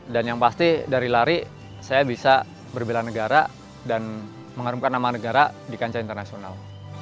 dan yang pasti dari lari saya bisa berbelah negara dan mengharumkan nama negara di kancah internasional